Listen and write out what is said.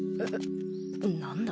何だ？